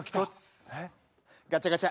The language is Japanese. ガチャガチャ。